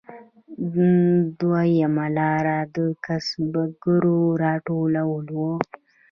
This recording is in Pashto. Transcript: دویمه لار د کسبګرو راټولول وو